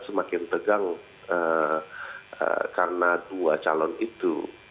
semakin tegang karena dua calon itu